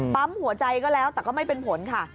ปั๊มหัวใจก็แล้วแต่ก็ไม่เป็นผลค่ะ